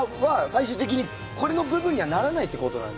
最終的にこれの部分にはならないってことなんですね。